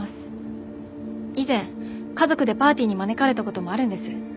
以前家族でパーティーに招かれた事もあるんです。